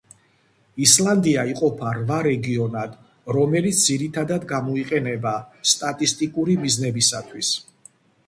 ისლანდია იყოფა რვა რეგიონად, რომელიც ძირითადად გამოიყენება სტატისტიკური მიზნებისათვის.